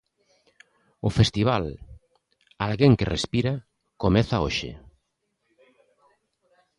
O festival "Alguén que respira!" comeza hoxe.